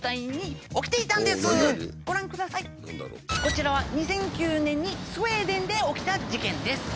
こちらは２００９年にスウェーデンで起きた事件です。